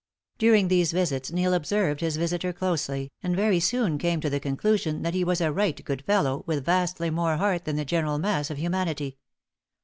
During these visits Neil observed his visitor closely, and very soon came to the conclusion that he was a right good fellow with vastly more heart than the general mass of humanity.